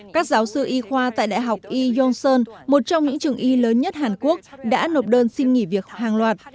các giáo sư y khoa tại đại học y yongseon một trong những trường y lớn nhất hàn quốc đã nộp đơn xin nghỉ việc hàng loạt